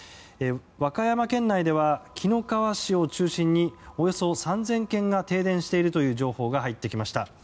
和歌山県内では紀の川市を中心におよそ３０００軒が停電しているという情報が入ってきました。